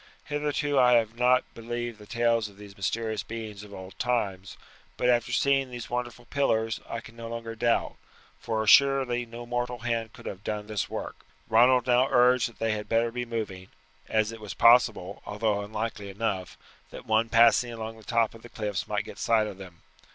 Hitherto I have not believed the tales of these mysterious beings of old times; but after seeing these wonderful pillars I can no longer doubt, for assuredly no mortal hand could have done this work." Ronald now urged that they had better be moving, as it was possible, although unlikely enough, that one passing along the top of the cliffs might get sight of them.